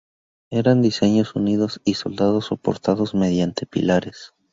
Eran diseños unidos y soldados, soportados mediante pilares.